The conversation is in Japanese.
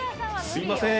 すいません。